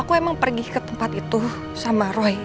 aku emang pergi ke tempat itu sama roy